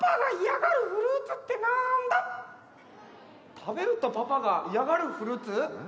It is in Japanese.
食べるとパパが嫌がるフルーツ？